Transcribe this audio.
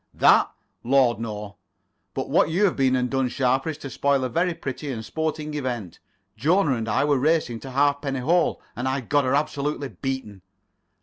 "That? Lord, no. But what you have been and done, Sharper, is to spoil a very pretty and sporting event. Jona and I were racing to Halfpenny Hole, and I'd got her absolutely beaten."